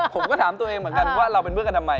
ผมก็ถามตัวเองเหมือนกันว่าเราเป็นเพื่อนกันทำไม